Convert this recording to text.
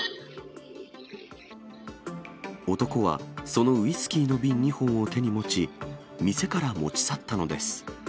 男は、そのウイスキーの瓶２本を手に持ち、店から持ち去ったのです。